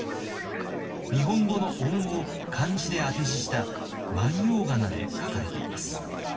日本語の音を漢字で当て字した万葉仮名で書かれています。